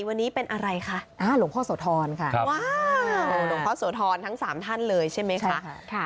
วันนี้เป็นอะไรคะหลวงพ่อโสธรค่ะว้าวหลวงพ่อโสธรทั้ง๓ท่านเลยใช่ไหมคะ